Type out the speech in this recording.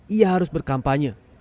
ia harus berkampanye